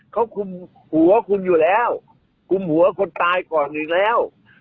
เขาคุมหัวคุมอยู่แล้วคุมหัวคนตายก่อนอีกแล้ว